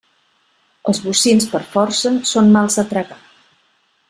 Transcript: Els bocins per força són mals de tragar.